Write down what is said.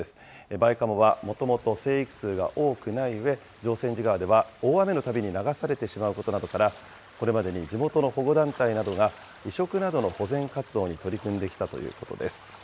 バイカモはもともと生育数が多くないうえ、常泉寺川では大雨の旅に流されてしまうことなどから、これまでに地元の保護団体などが、移植などの保全活動に取り組んできたということです。